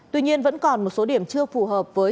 tuy nhiên vẫn còn một số điểm chưa phù hợp với